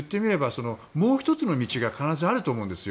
もう１つの道が必ずあると思うんです。